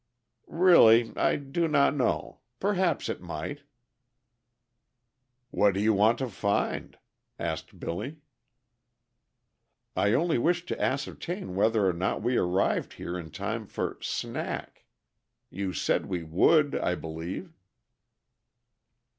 "Really I do not know. Perhaps it might." "What do you want to find?" asked Billy. "I only wish to ascertain whether or not we arrived here in time for 'snack.' You said we would, I believe."